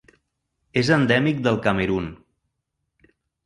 És endèmic del Camerun.